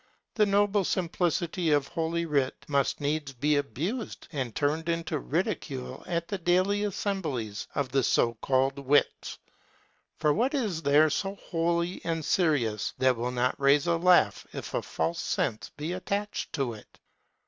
The noble simplicity of holy writ must needs be abused and turned into ridicule at the daily assemblies of the so called wits; for what is there so holy and serious that will not raise a laugh if a false sense be attached to it?